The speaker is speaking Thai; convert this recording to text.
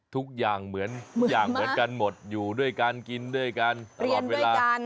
ทุกอย่างเหมือนกันหมดอยู่ด้วยกันกินด้วยกันเรียนด้วยกัน